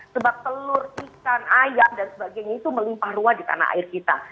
sebab telur ikan ayam dan sebagainya itu melimpah ruah di tanah air kita